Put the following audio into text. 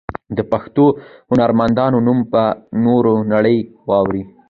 د پښتو هنرمندانو نوم به نوره نړۍ واوري.